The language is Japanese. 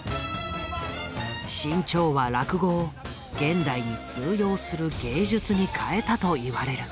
志ん朝は落語を現代に通用する芸術に変えたと言われる。